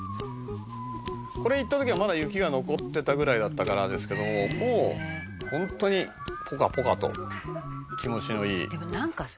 「これ行った時はまだ雪が残ってたぐらいだったからですけどもうホントにポカポカと気持ちのいい」